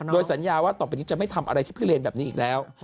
โดยสัญญาว่าต่อไปนี้จะไม่ทำอะไรที่พิเลนแบบนี้อีกแล้ว